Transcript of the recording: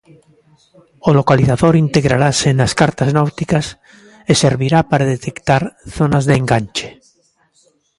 O localizador integrarase nas cartas náuticas e servirá para detectar zonas de enganche.